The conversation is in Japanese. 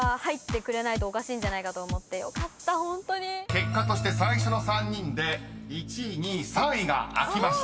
［結果として最初の３人で１位２位３位が開きました］